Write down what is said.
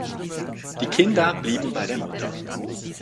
Die Kinder blieben bei der Mutter.